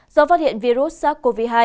do phát hiện virus sars cov hai